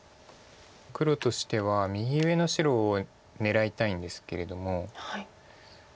黒としては右上の白を狙いたいんですけれども。